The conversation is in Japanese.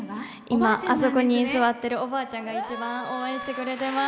今、あそこに座ってるおばあちゃんが一番応援してくれてます。